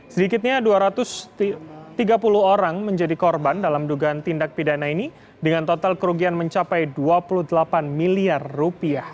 sedikitnya dua ratus tiga puluh orang menjadi korban dalam dugaan tindak pidana ini dengan total kerugian mencapai dua puluh delapan miliar rupiah